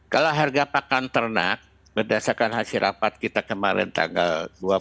kalau harga pakan ternak berdasarkan hasil rapat kita kemarin tanggal dua puluh